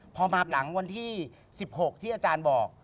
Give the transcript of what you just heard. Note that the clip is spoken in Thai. พอมาบหลังวันที่๑๖ที่อาจารย์บอก